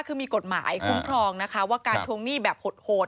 คือมีกฎหมายคุ้มครองนะคะว่าการทวงหนี้แบบโหด